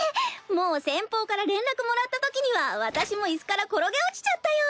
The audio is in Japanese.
もう先方から連絡もらったときには私も椅子から転げ落ちちゃったよ。